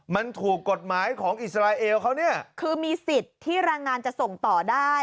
มันถูกกฎหมายของอิสราเอลเขาเนี่ยคือมีสิทธิ์ที่แรงงานจะส่งต่อได้